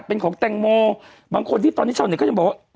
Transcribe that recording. เป็นของแตงโมบางคนที่ตอนนี้ชาวเน็ตก็ยังบอกว่า